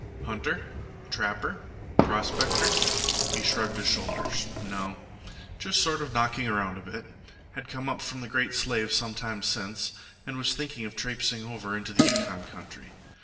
Hunter? Trapper? Prospector? He shrugged his shoulders No; just sort of knocking round a bit. Had come up from the Great Slave some time since, and was thinking of trapsing over into the Yukon country.